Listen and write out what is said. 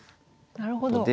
なるほど。